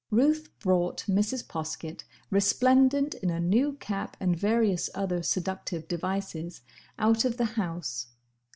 Ruth brought Mrs. Poskett, resplendent in a new cap and various other seductive devices, out of the house.